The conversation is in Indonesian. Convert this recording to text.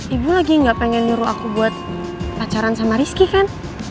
ibu lagi gak pengen nyuruh aku buat pacaran sama rizky kan